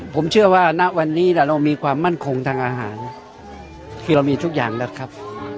ผมเชื่อว่าณวันนี้เรามีความมั่นคงทางอาหารที่เรามีทุกอย่างแล้วครับ